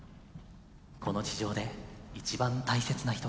この地上で一番大切な人だ。